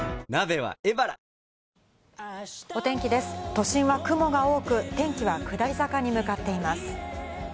都心は雲が多く、天気は下り坂に向かっています。